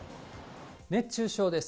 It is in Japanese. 熱中症です。